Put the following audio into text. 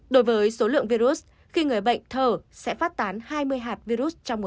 đối với số lượng virus khi người bệnh thờ sẽ phát tán hai mươi hạt virus trong một phút